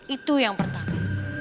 itu yang pertama